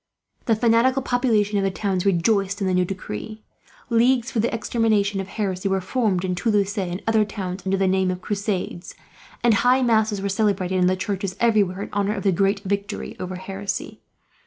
The fanatical populations of the towns rejoiced in the new decree. Leagues for the extermination of heresy were formed, in Toulouse and other towns, under the name of Crusades; and high masses were celebrated in the churches, everywhere, in honour of the great victory over heresy.